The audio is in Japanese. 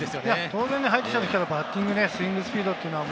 当然、入ってきた時からスイングスピードというのは、